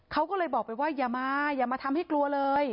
เขาก็เลยบอกไปว่าอย่ามาอย่ามาทำให้กลัวเลย